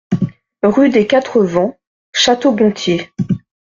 Rue des Quatres Vents, Château-Gontier